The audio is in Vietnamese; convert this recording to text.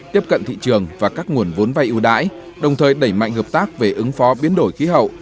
tiếp cận thị trường và các nguồn vốn vay ưu đãi đồng thời đẩy mạnh hợp tác về ứng phó biến đổi khí hậu